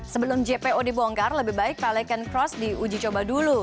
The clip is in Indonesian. sebelum jpo dibongkar lebih baik balikan crossing diuji coba dulu